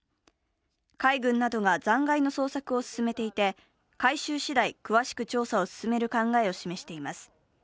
海軍などが残骸の捜索を進めていて、回収しだい、詳しく調査を進める考えを示しています。